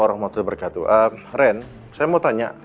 ren saya mau tanya